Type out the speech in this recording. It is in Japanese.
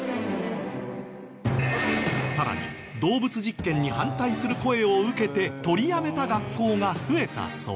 さらに動物実験に反対する声を受けて取りやめた学校が増えたそう。